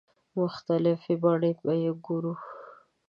مختلفې بڼې به یې وګورو.